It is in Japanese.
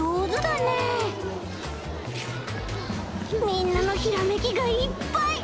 みんなのひらめきがいっぱい！